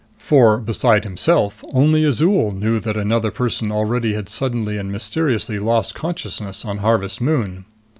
For, beside himself, only Azol knew that another person already had suddenly and mysteriously lost consciousness on Harvest Moon.